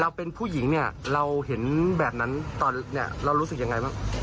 เป็นผู้หญิงเนี่ยเราเห็นแบบนั้นตอนนี้เรารู้สึกยังไงบ้าง